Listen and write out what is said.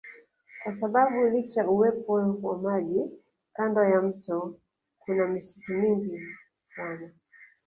Kwa sababu licha uwepo wa maji kando ya mto kuna misitu mingi sana